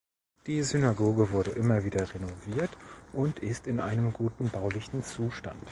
Die Synagoge wurde immer wieder renoviert und ist in einem guten baulichen Zustand.